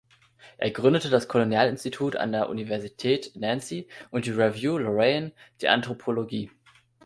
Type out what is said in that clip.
Er gründete das Kolonialinstitut an der Universität Nancy und die Revue Lorraine d’Anthropologie.